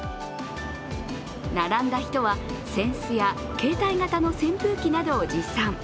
並んだ人は、扇子や携帯型の扇風機などを持参。